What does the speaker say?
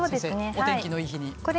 お天気のいい日に。